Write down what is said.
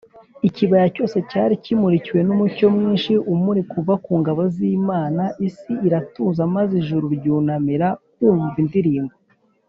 . Ikibaya cyose cyari kimurikiwe n’umucyo mwinshi umurika uva ku ngabo z’Imana. Isi iratuza, maze ijuru ryunamira kumva indirimbo